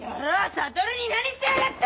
悟に何しやがった！